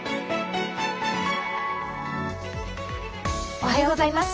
おはようございます。